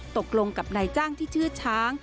ตกลงกับนายจ้างที่ชื่อช้าง